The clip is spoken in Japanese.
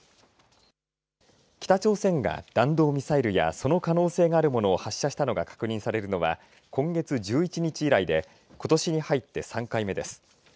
北朝鮮が弾道ミサイルやその可能性があるものを発射したのが確認されるのは今月１１日以来でことしに入って３回目です。